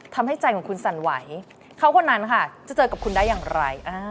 ทำให้ใจของคุณสั่นไหวเขาคนนั้นค่ะจะเจอกับคุณได้อย่างไร